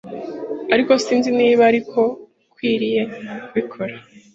ariko sinzi niba ariko nkwiriye kubikora